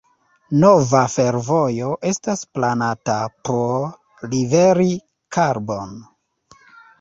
Nova fervojo estas planata por liveri karbon.